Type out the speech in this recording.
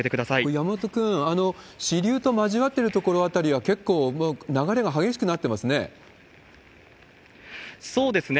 山本君、支流と交わってる所辺りは結構もう流れが激しくなってますね。